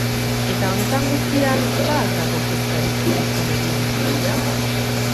Eta honetan guztian ba al dago kezkarik Euskal Herriaren ideiaz?